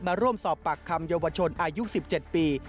มาร่วมสอบปากคำเยาวชนอายุ๑๗ปี